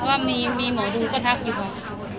เพราะว่ามีหมอดูก็ทักอยู่ก่อน